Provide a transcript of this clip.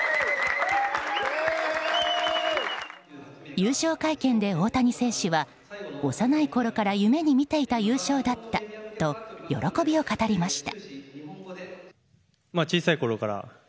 優勝会見で大谷選手は幼いころから夢に見ていた優勝だったと喜びを語りました。